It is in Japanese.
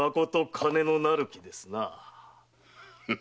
金のなる木ですな。